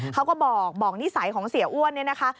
เขาก็บอกบอกนิสัยของเสียอ้วนเนี่ยนะคะ